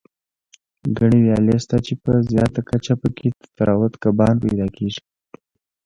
ګڼې ویالې شته، چې په زیاته کچه پکې تراوټ کبان پیدا کېږي.